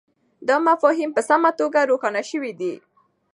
دا مفاهیم په سمه توګه روښانه سوي دي.